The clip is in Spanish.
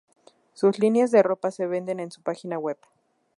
Sus líneas de ropa se venden en su página web.